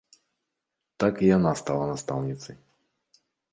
Так і яна стала настаўніцай.